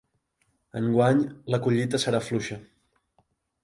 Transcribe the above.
Enguany la collita serà fluixa.